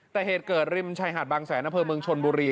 แต่เหตุเกิดริมชายหาดบางแสนอำเภอเมืองชนบุรี